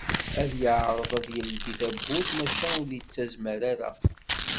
Ad yeɛreḍ ad yeldi tawwurt maca ur yettazmar ara.